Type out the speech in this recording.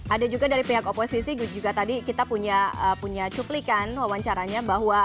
ada juga dari pihak oposisi juga tadi kita punya cuplikan wawancaranya bahwa